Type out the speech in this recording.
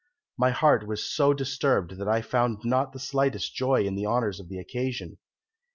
My heart was so disturbed that I found not the slightest joy in the honours of the occasion.